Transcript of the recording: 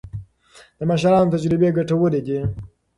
د مشرانو تجربې ګټورې دي.